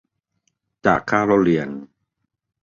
จากค่าเล่าเรียน